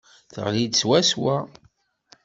Teɣli-d swaswa.